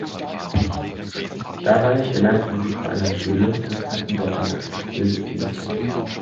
Dabei gelangten sie zu einer Höhle und fanden dort ein nacktes, wildes Mädchen.